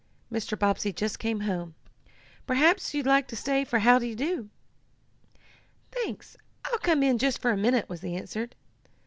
Mr. Bobbsey just came home. Perhaps you'd like to say 'how d'ye do.'" "Thanks, I'll come in for just a minute," was the answer.